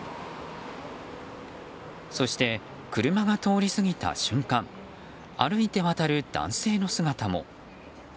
そして、車が通り過ぎた瞬間歩いて渡る男性の姿も。